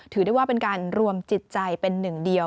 ถือได้ว่าเป็นการรวมจิตใจเป็นหนึ่งเดียว